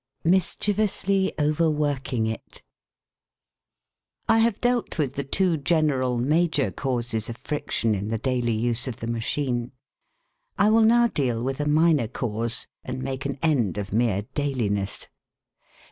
X MISCHIEVOUSLY OVERWORKING IT I have dealt with the two general major causes of friction in the daily use of the machine. I will now deal with a minor cause, and make an end of mere dailiness.